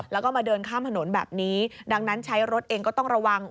แล้วก็มาเดินข้ามถนนแบบนี้ดังนั้นใช้รถเองก็ต้องระวัง